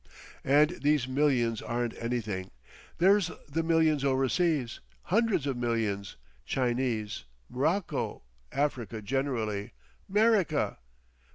... And these millions aren't anything. There's the millions over seas, hundreds of millions, Chinese, M'rocco, Africa generally, 'Merica....